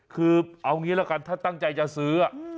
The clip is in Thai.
คือเอางี้ละกันถ้าตั้งใจจะซื้อ